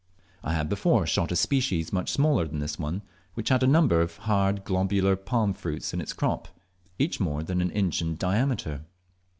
I had before shot a species much smaller than this one, which had a number of hard globular palm fruits in its crop, each more than an inch in diameter.